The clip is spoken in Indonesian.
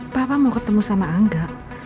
papa mau ketemu sama angga